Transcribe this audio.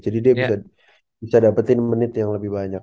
jadi dia bisa dapetin menit yang lebih banyak